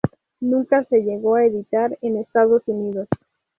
Nunca se llegó a editar en Estados Unidos.